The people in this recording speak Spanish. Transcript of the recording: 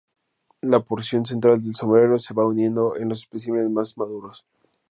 La porción central del sombrero se va hundiendo en los especímenes más maduros.